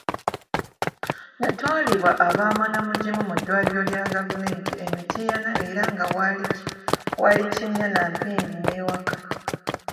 Nnatwalibwa aba "Mwanamugimu" mu ddwaliro lya Gavumenti e Mityana era nga waali kinnya na mpindi n'ewaka.